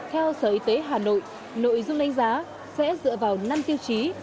theo sở y tế hà nội nội dung đánh giá sẽ dựa vào năm tiêu chí